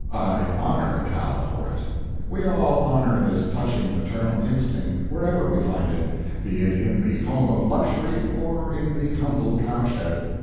I honor the cow for it. We all honor this touching maternal instinct wherever we find it, be it in the home of luxury or in the humble cow shed.